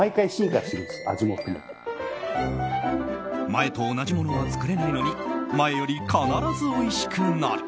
前と同じものは作れないのに前より必ずおいしくなる。